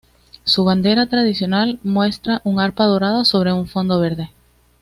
Su bandera tradicional muestra un arpa dorada sobre un fondo verde.